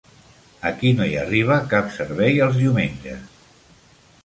Aquí no hi arriba cap servei els diumenges.